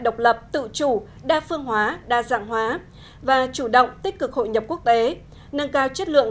độc lập tự chủ đa phương hóa đa dạng hóa và chủ động tích cực hội nhập quốc tế nâng cao chất lượng